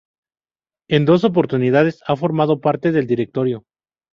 En dos oportunidades ha formado parte del Directorio.